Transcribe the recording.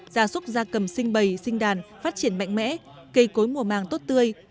gia súc gia cầm sinh bầy sinh đàn phát triển mạnh mẽ cây cối mùa màng tốt tươi